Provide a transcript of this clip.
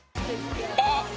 「あっ！